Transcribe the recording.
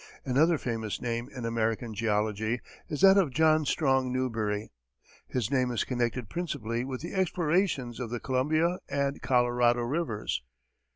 Another famous name in American geology is that of John Strong Newberry. His name is connected principally with the explorations of the Columbia and Colorado rivers.